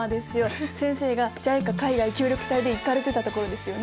先生がＪＩＣＡ海外協力隊で行かれてた所ですよね。